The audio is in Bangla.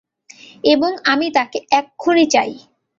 এবং আমি তাকে এক্ষুণি চাই।